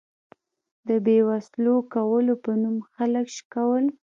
د بې وسلو کولو په نوم خلک شکول.